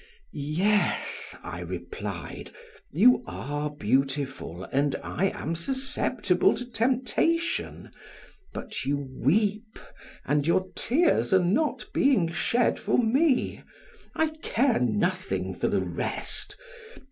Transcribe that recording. "Yes," I replied, "you are beautiful and I am susceptible to temptation; but you weep, and your tears not being shed for me, I care nothing for the rest.